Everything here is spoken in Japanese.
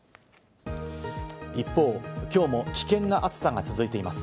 一方、きょうも危険な暑さが続いています。